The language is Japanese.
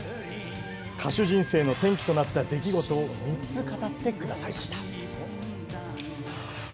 歌手人生の転機となった出来事を３つ語ってくださいました。